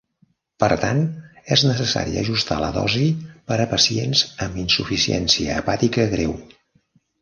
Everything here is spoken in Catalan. Per tant, és necessari ajustar la dosi per a pacients amb insuficiència hepàtica greu.